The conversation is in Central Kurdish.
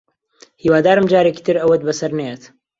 هیوادارم جارێکی تر ئەوەت بەسەر نەیەت